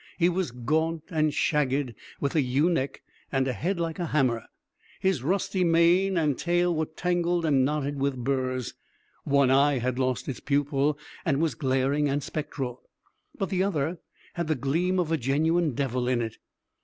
He was gaunt and shagged, with a ewe neck and a head like a hammer; his rusty mane and tail were tangled and knotted with burrs; one eye had lost its pupil, and was glaring and spectral, but the other had the gleam of a genuine devil in it.